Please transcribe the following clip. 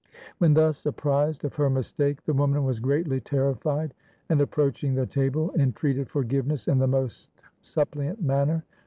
When thus apprised of her mistake, the woman was greatly terrified, and, approaching the table, entreated forgive 269 AUSTRIA HUNGARY ness in the most suppliant manner.